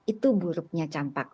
itu buruknya campak